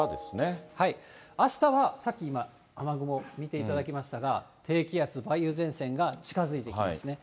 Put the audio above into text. あしたは、さっき今、雨雲見ていただきましたが、低気圧、梅雨前線が近づいてきますね。